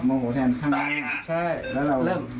โมโหแทนข้างบ้านค่ะแล้วเริ่ม